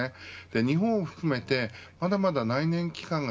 日本を含めてまだまだ内燃機関が